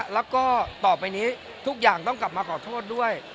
แล้วก็ต่อไปนี้ทุกอย่างต้องกลับมาขอโทษด้วย